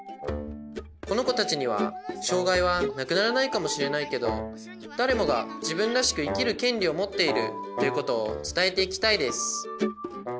このこたちにはしょうがいはなくならないかもしれないけど「だれもがじぶんらしくいきるけんりをもっている」ということをつたえていきたいです